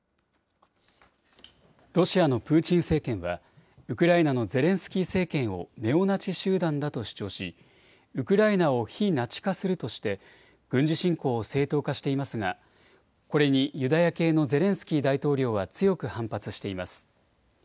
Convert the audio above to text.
ロシアのプーチン政権は、ウクライナのゼレンスキー政権をネオナチ集団だと主張し、ウクライナを非ナチ化するとして、軍事侵攻を正当化していますが、これにユダヤ系のゼレンスキー大統領は強く反発しています。